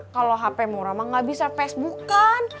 kalo hp murah mak nggak bisa facebookan